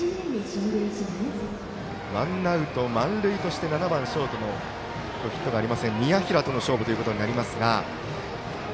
ワンアウト、満塁として７番ショートの今日ヒットがありません宮平との勝負ということになりますが。